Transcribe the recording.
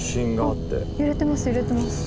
あっ揺れてます